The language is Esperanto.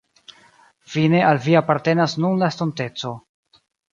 Fine al vi apartenas nun la estonteco.